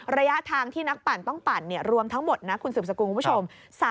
ระยะทางที่นักปั่นต้องปั่นรวมทั้งหมดนะคุณสืบสกุลคุณผู้ชม